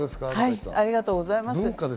ありがとうございます。